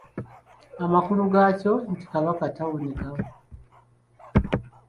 Amakulu gaakyo nti Kabaka tawoneka.